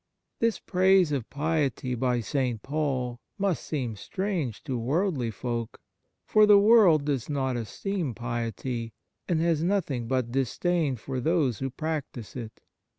THIS praise of piety by St. Paul must seem strange to worldly folk, for the world does not esteem piety and has nothing but disdain for those who practise it.